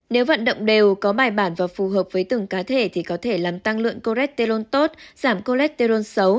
nếu vận động đều có bài bản và phù hợp với từng cá thể thì có thể làm tăng lượng cholesterol tốt giảm choletterone xấu